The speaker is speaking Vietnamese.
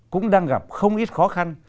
cũng đang gặp không ít khó khăn